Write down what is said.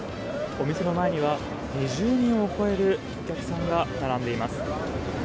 お店の前には２０人を超えるお客さんが並んでいます。